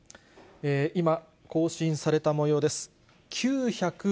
今、更新されたもようです。